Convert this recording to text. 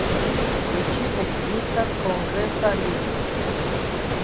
Pri ĝi ekzistas kongresa libro.